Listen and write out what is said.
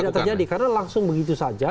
tidak terjadi karena langsung begitu saja